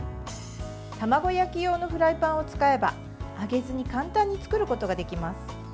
卵焼き用のフライパンを使えば揚げずに簡単に作ることができます。